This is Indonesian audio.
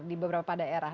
di beberapa daerah